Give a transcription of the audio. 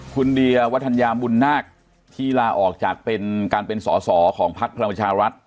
คุณเดียวัฒนยาบุญนาคที่ลาออกจากเป็นการเป็นสอสอของพักพลังประชารัฐ